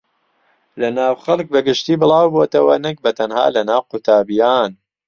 لەناو خەڵک بەگشتی بڵاوبۆتەوە نەک بەتەنها لەناو قوتابییان